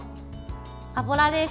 油です。